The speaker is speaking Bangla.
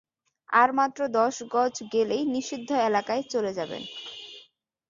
আর মাত্র দশ গজ গেলেই নিষিদ্ধ এলাকায় চলে যাবেন।